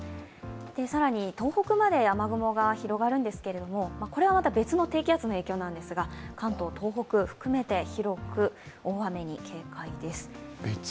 更に東北まで雨雲が広がるんですけれどもこれはまた別の低気圧の影響なんですが関東、東北、含めて広く大雨に警戒です。